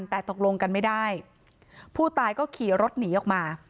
แต่ตกลงกันไม่ได้ผู้ตายก็ขี่รถหนีออกมา